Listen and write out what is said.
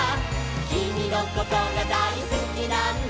「きみのことがだいすきなんだ」